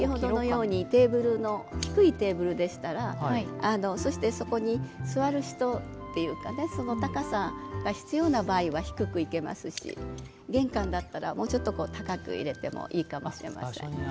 低いテーブルでしたらそこに座る人というか高さが必要な場合は低く生けますし玄関だったらもうちょっと高く入れてもいいかもしれません。